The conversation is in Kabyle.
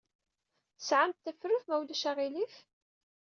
Tesɛamt tafrut, ma ulac aɣilif?